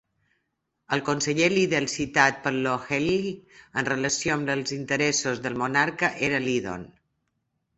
El conseller líder citat per O'Herlihy en relació amb els interessos del monarca era Lydon.